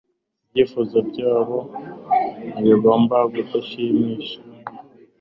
Ibyifuzo byabo ntibigomba kudushimisha